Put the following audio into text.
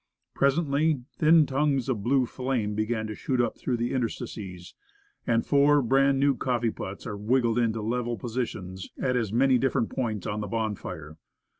Presently thin tongues of blue flame begin to shoot up through the interstices, and four bran new coffee pots are 7 5 Woodcraft. wriggled into level positions at as many different points on the bonfire.